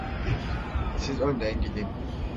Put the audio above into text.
Siz önden gidin.